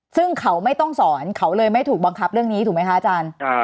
ซึ่งเขาไม่ต้องสอนเขาเลยไม่ถูกบังคับเรื่องนี้ถูกไหมคะอาจารย์